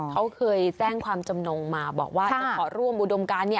เขาเคยแจ้งความจำนงมาบอกว่าจะขอร่วมอุดมการ